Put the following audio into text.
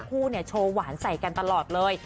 คู่โชว์หวานใส่กันตลอดเลย